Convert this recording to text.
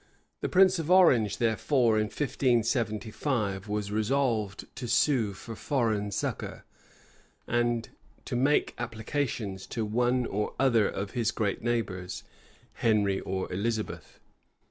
The prince of Orange, therefore, in 1575, was resolved to sue for foreign succor, and to make applications to one or other of his great neighbors, Henry or Elizabeth.